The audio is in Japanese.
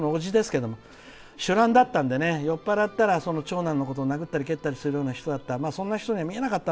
僕のおじですけど酒乱だったんで、酔っ払ったら長男のことを殴ったり蹴ったりする人だった。